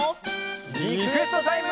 リクエストタイム！